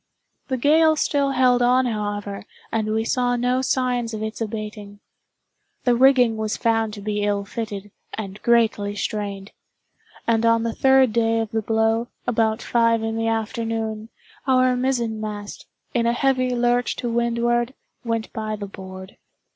The gale still held on, however, and we saw no signs of its abating. The rigging was found to be ill fitted, and greatly strained; and on the third day of the blow, about five in the afternoon, our mizzen mast, in a heavy lurch to windward, went by the board.